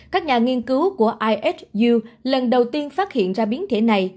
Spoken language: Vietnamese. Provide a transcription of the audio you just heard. các nhà nghiên cứu của ihu lần đầu tiên phát hiện ra biến thể này